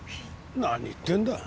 何言ってんだ。